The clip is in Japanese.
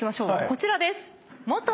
こちらです。